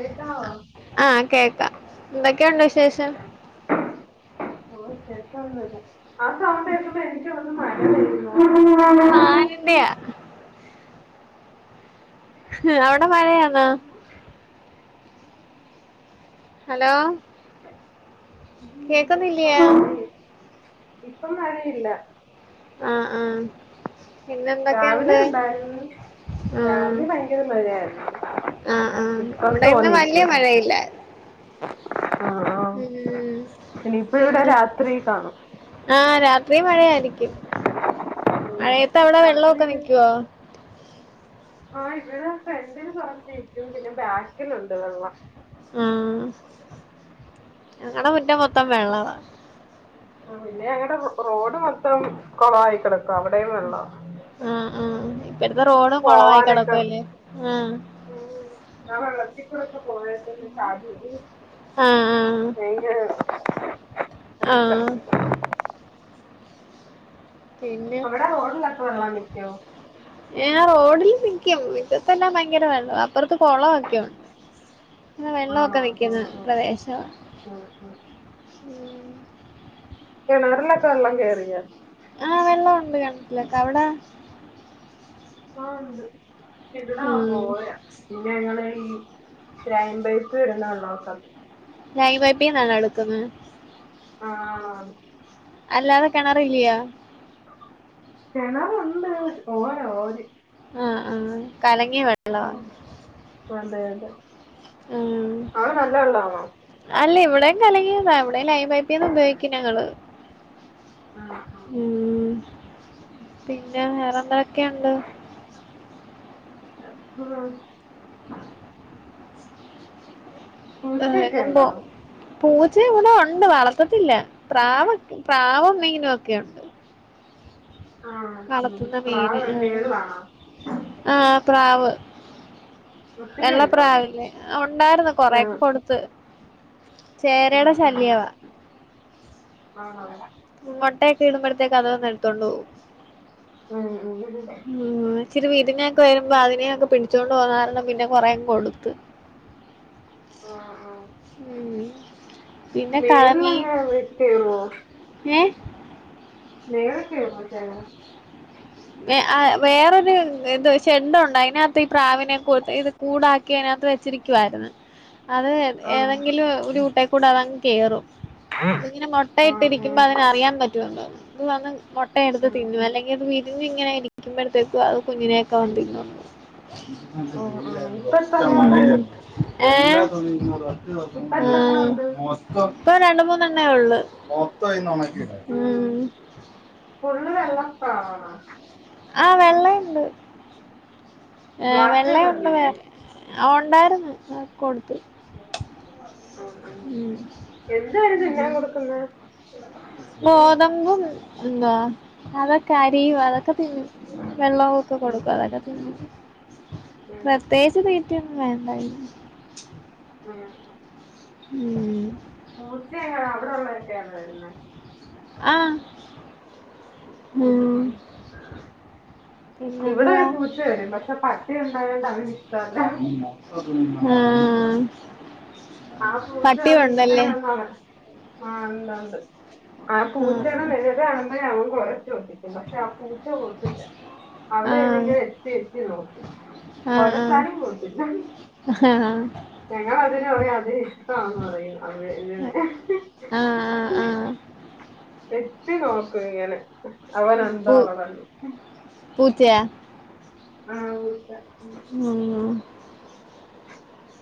കേക്കാവോ ആഹ് ആഹ് കേക്കാം എന്തെക്കെയുണ്ട് വിശേഷം [unintelligible] വിശേഷം ഒന്നും ഇല്ലാ [unintelligible] [unintelligible] എന്തെയാ ഇടി വെട്ടി ഇഹ് മഴ അവ്ടെ പെയ്യുന്നോന്ന് മഴയാണോ ഹലോ കേക്കുന്നില്ലേ ഇപ്പം മഴയില്ല. ആഹ്, അഹ് പിന്നെ രാവിലെ എന്തൊക്കെണ്ട്? ഉണ്ടായിരുന്നു രാവിലെ ഭയങ്കെരെ മഴായിരുന്നു. ആഹ്, ആഹ് ഇവടെ ഇന്ന് വല്ല്യാ മഴയില്ല ആ ആ ഉം ഇനിയിപ്പ ഇവിടെ പിന്നെ രാത്രി കാണും ആഹ് രാത്രി മഴയായിരിക്കും മഴയത്ത് അവിടെ രാത്രി വെള്ളവൊക്കെ ന്നിക്യോ ആഹ് ഇവിടെ ഫ്രണ്ടില് കൊർച്ചിരിക്കും പിന്നെ ബാക്കിലുണ്ട് വെള്ളം. ആഹ് ഞങ്ങടെ മുറ്റം മൊത്തം വെള്ളവാ. പിന്നെ ഞങ്ങടെ റോഡ് മൊത്തം കൊളവായി കിടക്ക. അവിടെ വെള്ള. ആഹ് ആഹ് ഇപ്പടുത്തെ റോഡും കുളയി പോവാനൊക്കെ കിടക്കുല്ലേ ആഹ് ആഹ് വെള്ളത്തിക്കൂടൊക്കെ പോയ പിന്നെ ആ [unintelligible] ഏ ഏഹ് ആഹ് പിന്നെ അവിടെ റോഡിലൊക്കെ വെള്ളം നിക്കോ ഏ റോഡില് നിക്കും. മിറ്റത്തെ എല്ലാം ഭയങ്കര വേള്ള അപ്പറത്ത് കൊളക്കെയുണ്ട്. ആണോ വെള്ളക്കെ ആ ആ നിക്ക്ന്ന് പ്രദേശവാ ഉം ഉം ഉം. കെണറിലക്കെവെള്ള കെറിയ ആഹ് വെള്ളം ഉണ്ട് കെൺറ്റിലകെ അവടെ ആഹ് ണ്ട് [unintelligible] ഉം പോയാ പിന്നെ ഞങ്ങള് ഈ കെയംമ്പയത്ത് [unintelligible] ലൈ പൈപ്പിന്നാണോ ട്ക്ക്ന്നെ ആഹ് അല്ലാതെ കെണറില്യോ കെണറുണ്ട് ഓര ഓര് ആഹ് ആഹ് കലങ്ങിയ വെള്ളവാ അതെഅതെ ഉം. അവടനല്ല വെള്ളാണോ. അല്ല ഇവിടെയും കലങ്ങിയതാ ഇവിടെയും ലൈൻ പൈപ്പന്ന ഉപയോഗിക്കും ഞങ്ങള് ആഹ് ഉം പിന്നെ വേറെന്തക്കെയുണ്ട് ഉം. പൂച്ചയൊക്കെ വെറെന്തോ ഉണ്ടോ പൂച്ച ഇവിടെ ഉണ്ട് വളർത്തത്തില്ല. പ്രാവ് പ്രാവും മീനും ഒക്കെ. ആഹ് ഉം വളർത്തുന്ന മീന്. പ്രാവ് ആഹ് മേളിലാണോ ആഹ് ആഹ് പ്രാവ്. ഒത്തിരി ഉണ്ടോ വെള്ളപാവില്ലേ. ഉണ്ടായിരുന്നു ആഹ് കൊറെയക്കെ കൊട്ത്ത്. ചേരടെ ശല്യവ. ആഹ് ആഹ് മോട്ടയകെ ഇടുമ്പഴത്തേക്ക് അത് വന്നടുത്തോണ്ട് പോവും. ഉം ഉം ഉം ഉം ഇച്ചിരി വീടിനെയൊക്കെ വരുമ്പോ അതിനെയൊക്കെ പിടിച്ചുകൊണ്ട് പോന്നകാരണം പിന്നെ കൊറെ കൊട്ത്ത് ആഹ് ആഹ്. ഉം. പി മേള് ളങ്ങനെ [unintelligible] ഏ നീളക്കെ [unintelligible] ആഹ് വേറൊരു ഇത് ചെണ്ടുണ്ട് അതിനകത്ത് ഈ പ്രാവിനെ ഇത് കൂടാക്കി അതിനകത്ത് ക്കനത് ക്കനകത്ത്‌വച്ചിരിക്കുവായിരുന്നു അത് ആഹ് ഏതെങ്കിലും ഒരു കൂട്ടേക്കൂടെ അതങ്ങ് കേയറും ഇത് ഇങ്ങനെ മുട്ടയിട്ടിരിക്കുമ്പോ അതിങ്ങനെ മുട്ടയിട്ടു ആഹ് ഇരിക്കുമ്പം ആഹ് അറിയാൻ പറ്റു എന്തോ ഇത് വന്ന് മുട്ടയെ എടുത്ത് ഉം തിന്നു അല്ലെങ്കിൽത് കുഞ്ഞ്ഇങ്ങനെ ഇരിക്കുമ്പഴത്തേക്കും അത് കുഞ്ഞിനെക്കെ ഓഹ് ആഹ് ഇപ്പൊ എത്രണ്ണം ഉണ്ട് [unintelligible] ഏ ആഹ് ഇപ്പൊ എത്രണ്ണം ഉണ്ട് മൊത്തം രണ്ട് മൂന്നെണ്ണയ ഉള്ളൂ. ഉം. ഫുള്ള് വെള്ളപ്രാവാണോ ആഹ് വെള്ളണ്ട് ഏ ബ്ലാക്ക് വെള്ളയുണ്ട് കളറില്ലേ വേറെ ആഹ് ഉണ്ടായിരുന്നു കൊടുത്ത്. ഉം' എന്തുവാ ഇത് ഉം '. തിന്നാൻ കൊടുക്കുന്നെ ഗോതമ്പും എന്താ അതൊക്കെ അരിയും അതൊക്കെ തിന്നും വെള്ളവും ഒക്കെ ഉം കൊടുക്കും ഉം അതൊക്കെ തിന്നും ഉം പ്രത്യേകിച്ച് തീറ്റിയൊന്നും വേണ്ടായി ആഹ് ഉം പൂച്ചയ അവിടെള്ളതൊക്കെയാണ് വരുന്നത് ആഹ് ഉം ഉം ഇവിടെ പിന്നെന്തുവാ ഒരു പൂച്ച വരും പക്ഷെ പട്ടി ഉണ്ടായോണ്ട് അവന് ഇഷ്ടല്ല ആഹ് ആഹ് പൂച്ച വന്ന് ഇങ്ങനെന്ന ആഹ് എന്താണ്ട് ആ പൂച്ചയാണ് വലുത് കാണുമ്പോ അവൻ കൊരച്ച് ഒപ്പിക്കും പക്ഷെ ആ പൂച്ച പോകത്തില്ല ആ അവിടെ ഏവിടെയെങ്കിലും എത്തി എത്തി നോക്കും കൊരച്ചാലും പോകത്തില്ല ആഹ് ആഹ് ഞങ്ങൾ അതിന് പറയാ അതി ഇഷ്ടമാണെന്ന് പറയും അത് വെ ആ ആ ആ എത്തി നോക്കും ഇങ്ങനെ അവൻ എന്താ പൂ അവിടെന്ന് പൂച്ചയാ ആഹ് പൂച്ച ഉം ഉം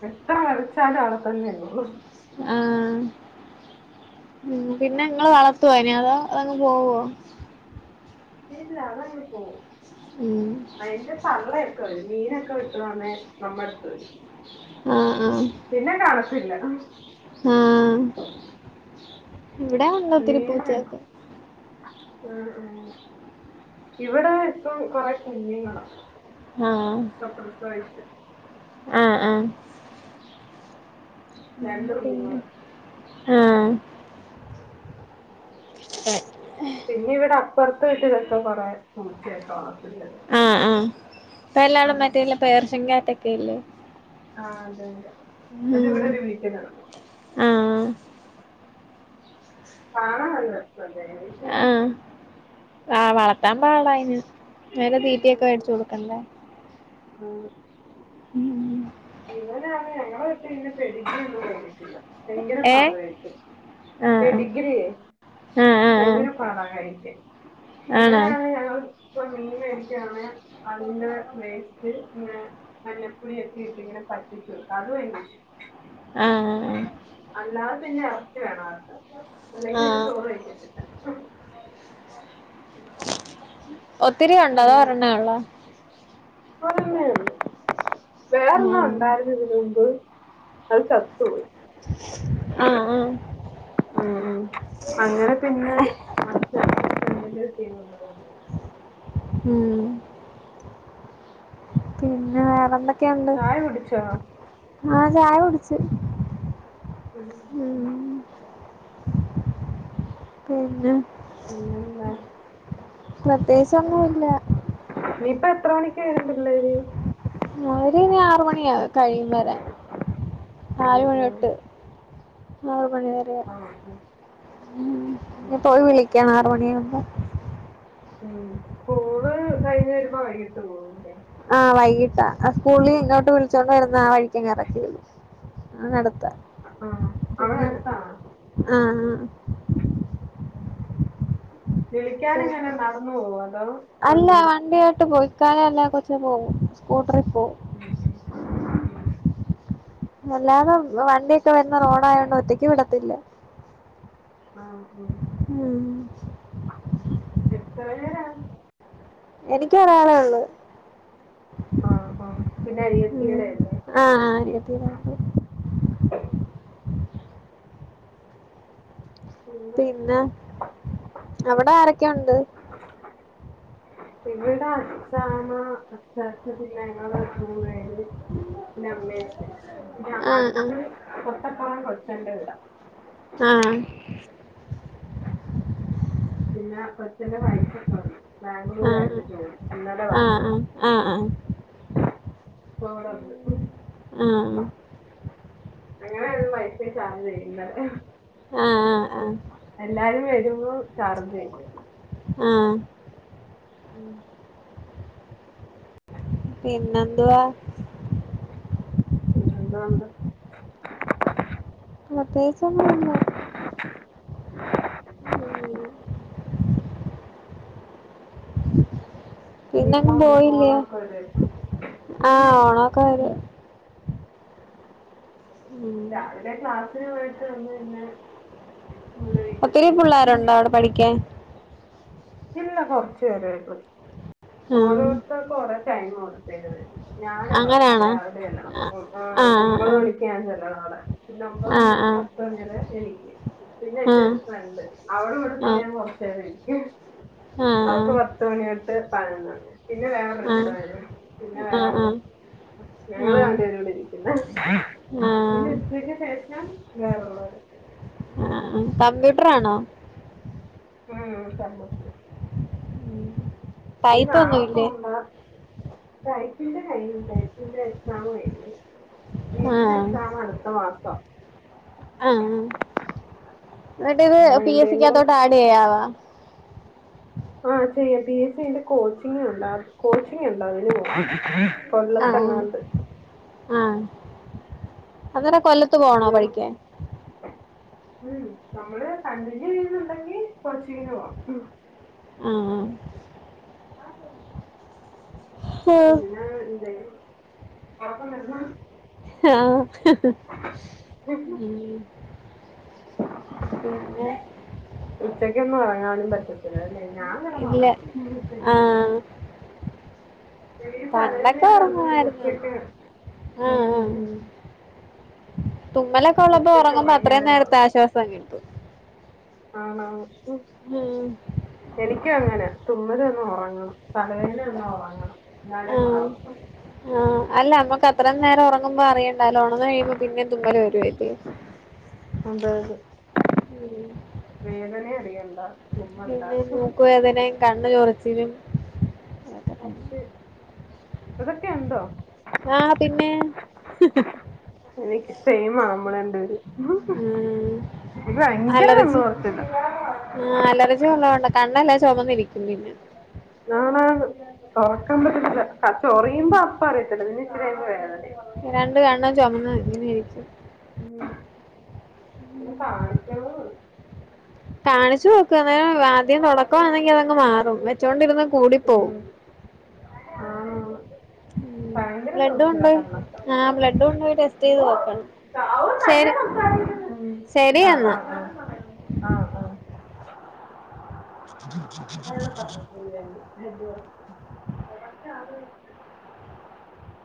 എത്ര വരച്ചാലും അവിടെ തന്നെയിരുന്നോളും ആഹ് ഉം പിന്നെ നിങ്ങൾ വളർത്തുവോ അയ്നെ അതോ അതങ്ങ് പോവോ ഇല്ല അതങ്ങ് പോവും ഉം അതിന്റെ തള്ളയൊക്കെ വരും മീനൊക്കെ വെ [unintelligible] നമ്മുടെടുത്ത വരും ആഹ് ആഹ് പിന്നെ കാണത്തില്ല ആഹ് ഇവിടാ [unintelligible] ഉം ഉം ഇവിടെ ഇപ്പം കൊറെ ആഹ് [unintelligible] ആഹ് ആഹ് ഉം രണ്ട് പിന്നെ കുഞ്ഞുങ്ങള് ആഹ് [unintelligible] പിന്നെ ഇവിടെ അപ്പുറത്ത് വീട്ടിലൊക്കെ കൊറേ നോക്കിയ [inaudible] എല്ലാളും മറ്റേല്ല പേർഷ്യൻക്യാറ്റൊക്കെ ഇല്ലെ ആഹ് അതെതെ ഉം ഇവിടെ ഒരു വീട്ടിൽ [unintelligible] ആഹ് [unintelligible] ആഹ് വളർത്താൻ പാടായിന് നല്ല തീറ്റയൊക്കെ വേടിച്ചു കൊടുക്കണ്ടേ ആണ് ഉം ഉം ഇവനാണ് ഞങ്ങള വീട്ടിൽ ന്നെ പെഡീഗ്രീ ഒന്നും വാങ്ങിക്കതില്ല ഭയങ്കര ഏഹ് പാവയിട്ട് ആഹ് പേഡിഗ്രിയേ ആഹ് ആഹ് ആഹ് ഭയങ്കരപാടാ കഴിക്കാൻ ആണോ ആഹ് ഇവനാണേ ഞങ്ങൾ മീൻ മേടിക്കുവാണേ അതിന്റെ വേസ്റ്റ് [unintelligible] മല്ലപ്പൊടിയൊക്കെ ഇ- ഇങ്ങനെ പറ്റിച്ചു വെ അതു ഭയങ്കര ഇഷ്ടവ- ആഹ് അഹ് അഹ് അല്ലാതെ പിന്നെ എറച്ചി വേണോ അവർക്ക് ആഹ് അല്ലെങ്കിൽ പിന്നെ ആഹ് ചോറ് കയിക്കത്തില്ല [inaudible] ഒത്തിരി ഉണ്ടോ അതോ അങ്ങനെ ഒരെണ്ണേ ഒള്ളോ ഒരെണ്ണേ ഒള്ളൂ വേറൊണം ആഹ് ഉണ്ടായിരുന്നി- [unintelligible] അത് ചത്തു പോയി ആഹ് ആഹ് ആഹ് അങ്ങനെ പിന്നെ ആഹ് [unintelligible] ഉം പിന്നെ വേറെന്തൊക്കെണ്ട് ചായ കുടിച്ചോ ആഹ് ചായ കുടിച്ച് ഉം പിന്നെ പിന്നെന്താ പ്രത്യേകിച്ചൊന്നുല്ല നീ ഇപ്പ എത്ര മണിക്ക് വരും പിള്ളേര് അവര് ഇനി ആറ് മണിയാവും കഴിയും വരാൻ ഉം നാല് ഉം മണിഒട്ട് [unintelligible] മണി വരെ ആഹ് ഉം ഉം പോയി വിളിക്കണം ആറ് മണിയാവുമ്പോ ഉം സ്കൂള് കഴിഞ്ഞ് വരുമ്പോ വൈകിട്ട് പോവുല്ലേ ആഹ് വൈകിട്ടാ ആ സ്കൂളിൽ ഇങ്ങോട്ട് വിളിച്ചോണ്ട് വരുന്ന ആ വഴിക്കങ്ങ് എറക്കി വിടും ആ നടത്ത ആഹ് അവിടെ പിന്നെ അടുത്താണോ ആഹ് ആഹ് വിളിക്കാന് എങ്ങന പിന്നെ നടന്ന് പോവോ അതോ വണ്ടി [unintelligible] പോയി [unintelligible] പോവും സ്കൂട്ടറിൽ പോവും ഉം ഉം വല്ലാതെ വണ്ടിയൊക്കെ വരുന്ന റോഡായോണ്ട് ഒറ്റക്ക് വിടത്തില്ല ആഹ് ആഹ് ഉം എത്ര പേരാ എനിക്ക് ഒരാളെ ഒള്ളു ആഹ് ആഹ് പിന്നെ അനിയത്തിടെയല്ലെ ആ ആ അനിയത്തി [unintelligible] ഉം പിന്നെ അവിടെ ആരൊക്കെയുണ്ട്? ഇവിടെ അച്ചാമ്മ അച്ചാച്ചൻ പിന്നെ ഞങ്ങള് മൂന്ന് പേര് പിന്നെ അമ്മയുമുണ്ട് പിന്നെ ആഹ് അടുത്ത് തൊട്ടപ്പുറം കൊച്ചന്റെ വീടാ ആഹ് പിന്നെ കൊച്ചിച്ചന്റെ വൈഫ് വന്ന് ആഹ് ബാംഗ്ലൂരായിരുന്നു ജോലി ഇന്നലെ വന്ന് ആഹ് ആഹ് ആഹ് ഇപ്പോ ഇവിടെ ഉണ്ട് ആഹ് അങ്ങനെ ഒരു വൈഫൈ ചാർജ് ചെയ്യണ്ടല്ലോ ആഹ് ആഹ് ആഹ് എല്ലാരും വരുമ്പോ ചാർജ് ചെയ്യും ആഹ് പിന്നെന്തുവാ പിന്നെ എന്തുണ്ട് പ്രത്യേകിച്ചൊന്നുല്ല ഉം പിന്നെങ്ങും ഇനിയിപ്പം പോയില്ലേ? ഓണമൊക്കെ വരും ഇല്ല ആഹ് ഇല്ല ഓണൊക്കെ വരുവല്ലേ ഉം രാവിലെ ക്ലാസ്സിന് പോയിട്ട് വന്ന് പിന്നെ ഇവിടെ ഒത്തിരി വീട്ടിലിരിക്കും പിള്ളേരുണ്ടോ അവിടെ പഠിക്കാൻ? ഇല്ല കൊറച്ചു പേരേളളു ആഹ് ഓരോരുത്തർക്ക് ഒരോ ടൈം ആ കൊടുത്തേക്കുന്നേ ഞാനാ ഫസ്റ്റ് അങ്ങനാണോ രാവിലെ ചെല്ലണം ആ ഒമ്പത് മണിക്ക് ഞാൻ ചെല്ലണം അവിടെ പിന്നെ ഒമ്പത് ആ ആ മണിതൊട്ട് പത്ത് മണിവരെ എനിക്ക് പിന്നെ ആ എന്റെ ഒരു ഫ്രണ്ട് അവളെ ആ ആ ആ വന്നിട്ട് ആ ഞാൻ കുറച്ചേരം ഇരിക്കും അവൾക്ക് പത്ത് മണിയൊട്ട് പതിനൊന്ന് മണി വരെ പിന്നെ വേറെ ആ വേറൊരാൾ പിന്നെ ആ വേറെ ആ ഞങ്ങള് രണ്ടു പേരൂടെ ഇരിക്കും ആ പിന്നെ ഉച്ചയ്ക്ക് ശേഷം വേറള്ളവര് ആ കമ്പ്യൂട്ടറാണോ? ഉം കമ്പ്യൂട്ടർ പിന്നെ നാളെ ടൈപ്പൊന്നുമില്ലേ പോണ്ട ടൈപ്പിൻ്റെ കഴിഞ്ഞു ടൈപ്പിൻ്റെ എക്സാം കഴിഞ്ഞ് ആ ഇതിൻ്റെ എക്സാം അടുത്ത മാസം ആഹ് ആ എന്നിട്ട് ഇത് പിന്നെ പി എസ് അതിന്റെയും കൂടെ സിക്കകത്തോട്ട് ആഡ് ചെയ്യാവാ ആഹ് ചെയ്യാം പി എസ് സിന്റെ കോച്ചിങ്ങ് ഉണ്ട് കോച്ചിങ്ങ് ഉണ്ട് അതിന് പോണം ആ കൊല്ലത്തെങ്ങാണ്ട് ആ ആഹ് അന്നേരം കൊല്ലത്ത് ഇത് പോണോ പഠിക്കാൻ ഉം നമ്മള് കണ്ടിന്യൂ ചെയ്യുന്നുണ്ടെങ്കി കോച്ചിങ്ങിന് പോണം ആഹ് ആ പിന്നെ എന്താ ഉറക്കം വരുന്നോ? ആഹ് ഉം പിന്നെ ഉച്ചക്ക് ഒന്നും ഉറങ്ങാനും പറ്റത്തില്ലല്ലേ ഞാൻ കിടന്ന് ഇല്ല ഉറങ്ങും ആ ഉച്ചയ്ക്ക് എനിക്ക് തലവേദന പണ്ടൊക്കെ ഒക്കെ വന്നോണ്ട് പിന്നെ ഉറങ്ങുമായിരുന്നു ഉച്ചയ്ക്ക് ആ ആ തുമ്മലൊക്കെ ഉള്ളപ്പോ ഉച്ചക്ക് ഉറങ്ങുമ്പോ അത്രയും ഉറങ്ങിയാലേ നേരത്തെ കുറവ് ആശ്വാസം കിട്ടും ആണോ ഉം എനിക്ക് അങ്ങനെ തുമ്മല് വന്ന ഉറങ്ങണം തലവേന വന്ന ഉറങ്ങണം എന്നാലേ ആഹ് മാറു ആഹ് അല്ല നമ്മക്ക് അത്രയും നേരം ഉറങ്ങുമ്പോ അറിയേണ്ടല്ലോ ഉണർന്ന് കഴിയുമ്പോ പിന്നെ തുമ്മല് വരുവല്ലേ അതെ അതേ ഉം വേദനയറിയണ്ട പിന്നെ മൂക്കുവേദനേം കണ്ണ് ചൊറിച്ചിലും മറ്റേ ഇതൊക്കെ എന്തോ ആഹ് പിന്നേ എനിക്ക് സെയിം ആമ്മളണ്ട് പേര് ഉം ഇത് ഭയങ്കര നന്നു അലർജി കുറച്ചത് ആഹ് അലർജി ഉള്ളത് കൊണ്ട, കണ്ണെല്ലാം ചൊമന്നിരിക്കും പിന്നെ ആണാണ് തൊറക്കാൻ പറ്റത്തില്ല. ക്ക ചൊറിയുമ്പോ അപ്പ അറിയത്തില്ല പിന്നെ ഇച്ചിരി കഴിയുമ്പോ വേദനേണ് രണ്ട് കണ്ണും ചൊമന്ന് ഇങ്ങനെ ഇരിക്കും ഉം ഇന്ന് കാണിക്കണന്നു കാണിച്ചു നോക്ക്‌. അന്നേരം ആദ്യം തൊടക്കമാണെങ്കി അതങ്ങ് മാറും. വെച്ചോണ്ടിരുന്ന കൂടി പോവും ആന്നാന്ന് ഭയങ്കര ബ്ലഡും ചൊറിച്ചില കൊണ്ടോയി കണ്ണൊക്കെ ആ ബ്ലഡ് കൊണ്ടോയി ടെസ്റ്റ് ഉം ചെയ്ത് നോക്കണം ശരി ശരി ആഹ് എന്നാ ആഹ് ആഹ്, ആഹ് ആഹ് സ്ക്ഷ ഞാ അന്നോട് പറഞ്ഞട്ടില്ല്യേ [unintelligible]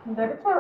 ന്നട്ട്പ്പൊ